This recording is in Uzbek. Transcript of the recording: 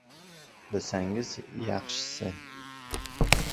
— Bilsangiz, yaxsihi.